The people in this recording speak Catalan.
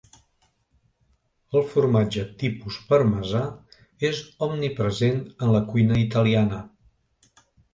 El formatge tipus parmesà és omnipresent en la cuina italiana.